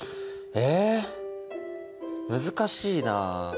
え難しいなあ。